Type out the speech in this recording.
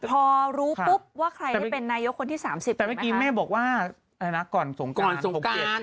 พอรู้รู้ปุ๊บว่าใครจะเป็นนายกคนที่๓๐นะครับ